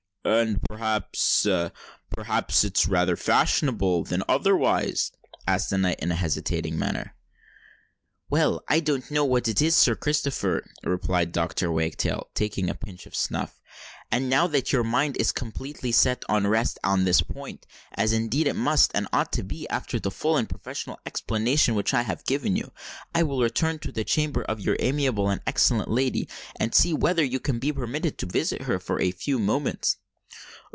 "And perhaps—perhaps, it's rather fashionable than otherwise?" asked the knight, in a hesitating manner. "Well—I don't know but what it is, Sir Christopher," replied Dr. Wagtail, taking a pinch of snuff. "And now that your mind is completely set at rest on this point—as indeed it must and ought to be, after the full and professional explanation which I have given you,—I will return to the chamber of your amiable and excellent lady, and see whether you can be permitted to visit her for a few moments."